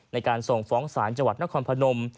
ในการส่งฟ้องศาลจังหวัดนครพนม